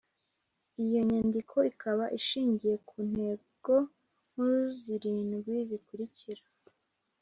iyo nyandiko ikaba ishingiye ku ntego nkuru zirindwi zikurikira: